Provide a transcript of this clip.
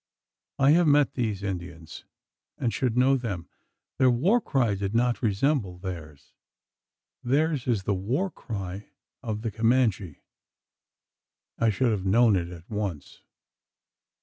I have met these Indians, and should know them. The war cry did not resemble theirs. Theirs is the war cry of the Comanche. I should have known it at once.